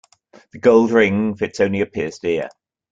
The gold ring fits only a pierced ear.